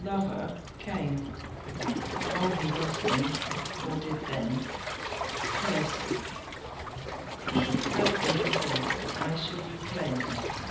lover came. Oh! he loves me, or did then. Percy! He had been told that I should be claimed.